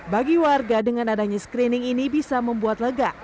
bagi warga dengan adanya screening ini bisa membuat lega